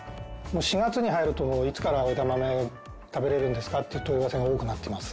４月に入るといつから枝豆食べられるんですかって問い合わせが多くなってます。